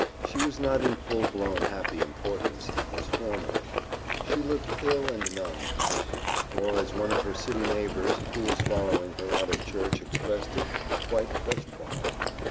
She was not in full blown, happy importance, as formerly: she looked ill and melancholy; or, as one of her city neighbours, who was following her out of church, expressed it, quite "crest fallen."